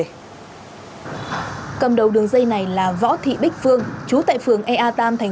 cầm đầu đường dây này là võ thị bích phương trú tại phường ea ba tp bôn ma thuật